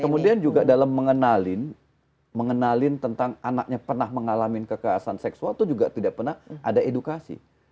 kemudian juga dalam mengenalin tentang anaknya pernah mengalami kekerasan seksual itu juga tidak pernah ada edukasi